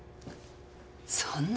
そんな。